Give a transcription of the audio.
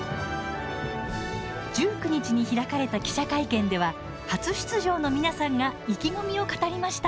１９日に開かれた記者会見では初出場の皆さんが意気込みを語りました。